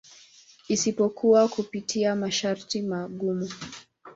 Isipokuwa kupitia masharti magumu.